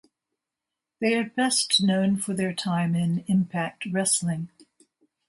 They are best known for their time in Impact Wrestling.